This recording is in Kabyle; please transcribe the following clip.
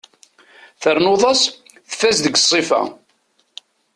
Ternuḍ-as tfaz deg ssifa.